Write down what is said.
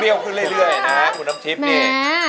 เรี่ยวขึ้นเรื่อยนะคุณน้ำทิพย์เนี่ย